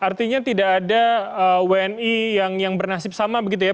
artinya tidak ada wni yang bernasib sama begitu ya